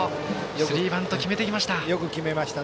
スリーバント、決めてきました。